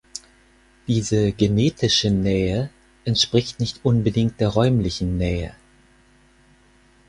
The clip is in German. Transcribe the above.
Diese genetische Nähe entspricht nicht unbedingt der räumlichen Nähe.